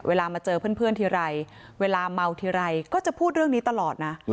เวลามาเจอเพื่อนทีไรเวลาเมาทีไรก็จะพูดเรื่องนี้ตลอดนะ